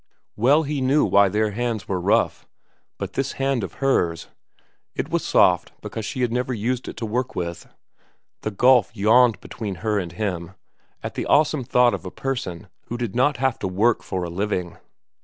Well he knew why their hands were rough; but this hand of hers ... It was soft because she had never used it to work with. The gulf yawned between her and him at the awesome thought of a person who did not have to work for a living.